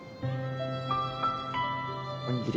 おにぎり。